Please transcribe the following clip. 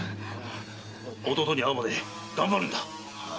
弟に会うまで頑張るんだ！